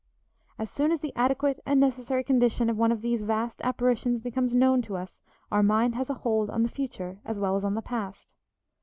As soon as the adequate and necessary condition of one of these vast apparitions becomes known to us our mind has a hold on the future as well as on the past.